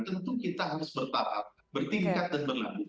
tentu kita harus bertahap bertingkat dan berlabuh